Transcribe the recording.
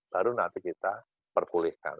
baru nanti kita perpulihkan